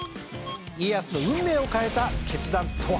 家康の運命を変えた決断とは？